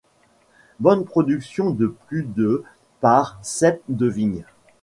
Bonne production de plus de par cep de vigne.